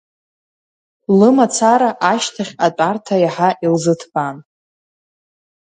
Лымацара ашьҭахь атәарҭа иаҳа илзыҭбаан.